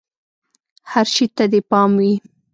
هر شي ته دې پام وي!